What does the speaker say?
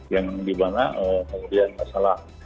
yang dimana kemudian masalah